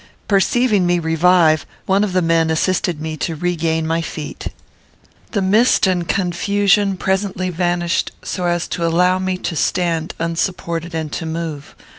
Perceiving me revive, one of the men assisted me to regain my feet. The mist and confusion presently vanished, so as to allow me to stand unsupported and to move.